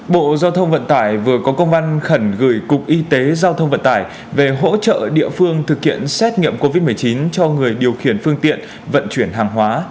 bộ giao thông vận tải vừa có công văn khẩn gửi cục y tế giao thông vận tải về hỗ trợ địa phương thực hiện xét nghiệm covid một mươi chín cho người điều khiển phương tiện vận chuyển hàng hóa